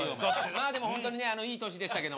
まあでもホントにねいい年でしたけど。